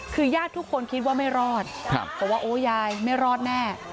คือยากทุกคนคิดว่าไม่รอดเขาว่ายายไม่รอดแน่